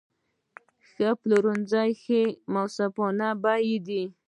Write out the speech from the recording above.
د ښه پلورنځي نښه منصفانه بیې دي.